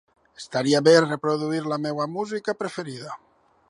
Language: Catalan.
Estaria bé reproduir la meva música preferida.